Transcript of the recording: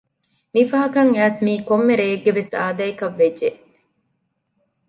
މި ފަހަކައް އައިސް މީ ކޮއްމެ ރެއެއްގެވެސް އާދައަކައްވެއްޖެ